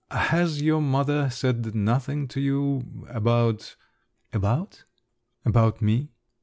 "Has your mother said nothing to you … about …" "About?" "About me?"